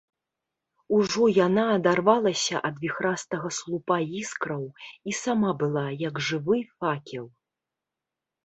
Ужо яна адарвалася ад віхрастага слупа іскраў і сама была, як жывы факел.